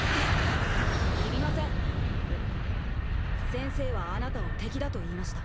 先生はあなたを敵だと言いました。